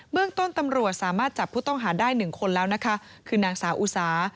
เรื่องต้นตำรวจสามารถจับผู้ต้องหาได้๑คนแล้วนะคะคือนางสาวอุสา